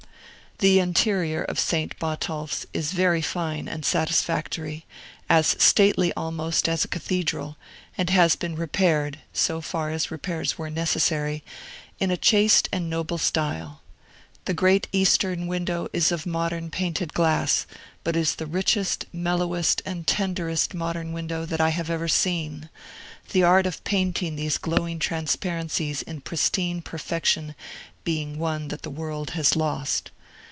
The interior of Saint Botolph's is very fine and satisfactory, as stately, almost, as a cathedral, and has been repaired so far as repairs were necessary in a chaste and noble style. The great eastern window is of modern painted glass, but is the richest, mellowest, and tenderest modern window that I have ever seen: the art of painting these glowing transparencies in pristine perfection being one that the world has lost.